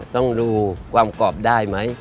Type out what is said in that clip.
ต้องดูความกรอบได้ไหม